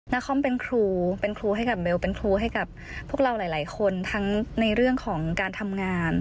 นาคอมเป็นครูเป็นครูให้กับเบลเป็นครูให้กับพวกเราหลายคนทั้งในเรื่องของการทำงาน